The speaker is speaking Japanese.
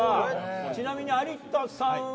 ちなみに有田さんは？